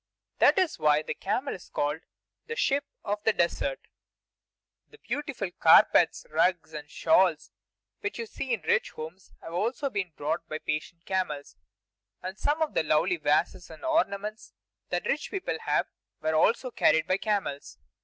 That is why the camel is called the Ship of the Desert. The beautiful carpets and rugs and shawls which you see in rich homes have also been brought by the patient camels; and some of the lovely vases and ornaments that rich people have were also carried by camels.